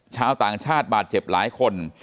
ชาวต่างชาติบาดเจ็บหลายคน